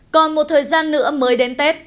còn một thời gian nữa mới đến tết